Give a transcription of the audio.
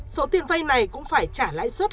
số tiền vay này cũng phải trả lãi suất